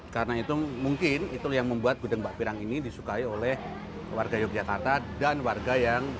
karena itu mungkin itu yang membuat gudeg mbak pirang ini disukai oleh warga yogyakarta dan warga yang berasal atau asli dari warga yogyakarta